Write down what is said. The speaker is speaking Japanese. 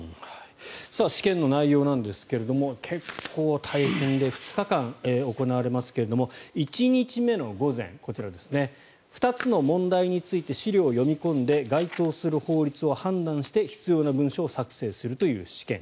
試験の内容ですが結構大変で２日間行われますが１日目の午前２つの問題について資料を読み込んで該当する法律を判断して必要な文書を作成するという試験。